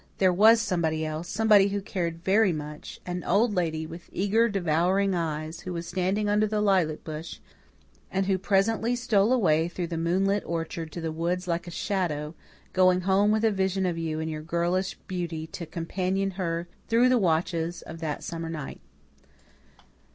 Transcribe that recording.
There was somebody else somebody who cared very much an Old Lady, with eager, devouring eyes, who was standing under the lilac bush and who presently stole away through the moonlit orchard to the woods like a shadow, going home with a vision of you in your girlish beauty to companion her through the watches of that summer night.